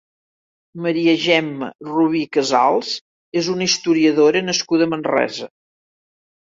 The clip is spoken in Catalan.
Maria Gemma Rubí Casals és una historiadora nascuda a Manresa.